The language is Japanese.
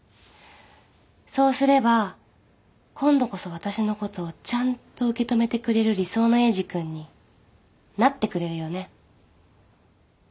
そうすれば今度こそ私のことをちゃんと受け止めてくれる理想のエイジ君になってくれるよね。